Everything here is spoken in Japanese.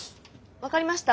分かりました。